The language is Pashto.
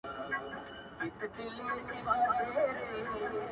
بد باڼجڼ افت نه وهي.